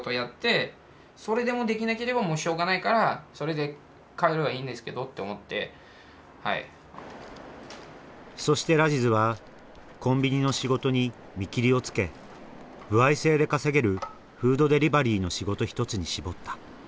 でもラジズは日本に残ることを決断したそしてラジズはコンビニの仕事に見切りをつけ歩合制で稼げるフードデリバリーの仕事一つに絞った。